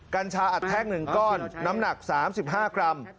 กัญชาอัดแท่ง๑ก้อนน้ำหนัก๓๕กรัม